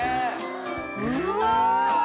うわ！